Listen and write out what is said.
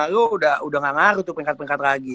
lo udah gak ngaruh tuh peringkat peringkat lagi